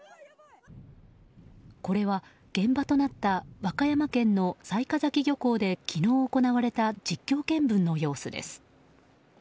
これは現場となった和歌山県の雑賀崎漁港で昨日行われた実況見分の様子です。